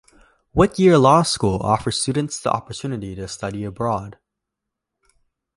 Whittier Law School offers students the opportunity to study abroad.